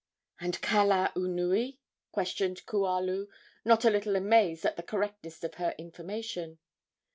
"And Kalaunui?" questioned Kualu, not a little amazed at the correctness of her information.